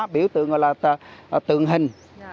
biểu tượng gọi là tượng hình